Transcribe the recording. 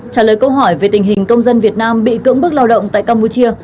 trả lời câu hỏi về tình hình công dân việt nam bị cưỡng bức lao động tại campuchia